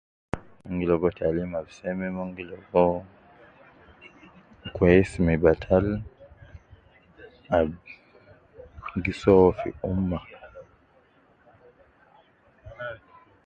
Mon gi Ligo taalim al seme mon gi ligo kweis me batal al gi souwo fi ummah.